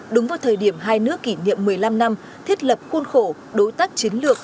đúng vào thời điểm hai nước kỷ niệm một mươi năm năm thiết lập khuôn khổ đối tác chiến lược